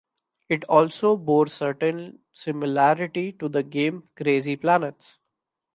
It also bore certain similarity to the game "Crazy Planets".